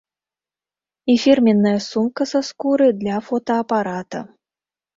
І фірменная сумка са скуры для фотаапарата.